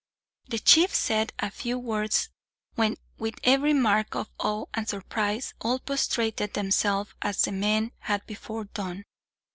The chief said a few words, when, with every mark of awe and surprise, all prostrated themselves as the men had before done.